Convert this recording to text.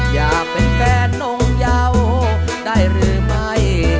อยากเป็นแฟนนงเยาได้หรือไม่